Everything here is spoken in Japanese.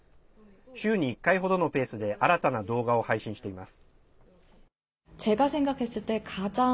週に１回程のペースで新たな動画を配信しています。